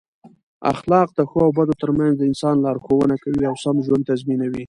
اخلاق د ښو او بدو ترمنځ د انسان لارښوونه کوي او سم ژوند تضمینوي.